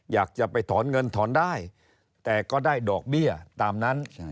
อยากจะไปถอนเงินถอนได้แต่ก็ได้ดอกเบี้ยตามนั้น